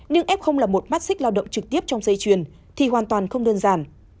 nhưng f là một mắt xích lao động trực tiếp trong giấy truyền thì hoàn toàn không đơn giản